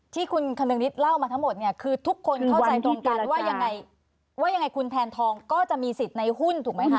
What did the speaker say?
ที่คุณคนึงนิดเล่ามาทั้งหมดเนี่ยคือทุกคนเข้าใจตรงกันว่ายังไงว่ายังไงคุณแทนทองก็จะมีสิทธิ์ในหุ้นถูกไหมคะ